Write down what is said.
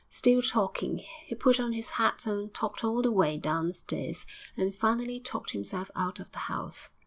Still talking, he put on his hat and talked all the way downstairs, and finally talked himself out of the house.